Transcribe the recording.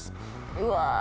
うわ